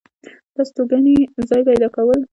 دا ستوګنې ځاے پېدا كول